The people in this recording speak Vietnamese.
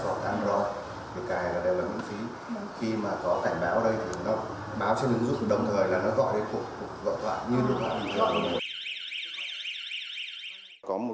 khi mà có cảnh báo ở đây thì nó báo trên ứng dụng đồng thời là nó gọi đến cục gọi thoại như lúc nào thì gọi điện thoại